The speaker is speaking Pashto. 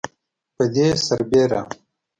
پدې برسیره